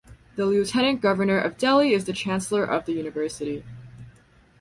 The Lieutenant Governor of Delhi is the Chancellor of the university.